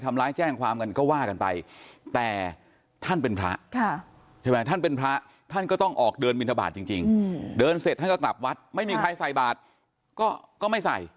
แจ้งความกันก็ว่ากันไปแต่ท่านเป็นพระใช่ไหมท่านเป็นพระท่านก็ต้องออกเดินบินทบาทจริงเดินเสร็จท่านก็กลับวัดไม่มีใครใส่บาทก็ไม่ใส่